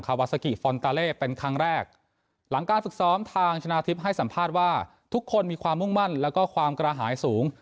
วาซากิฟอนตาเล่เป็นครั้งแรกหลังการฝึกซ้อมทางชนะทิพย์ให้สัมภาษณ์ว่าทุกคนมีความมุ่งมั่นแล้วก็ความกระหายสูง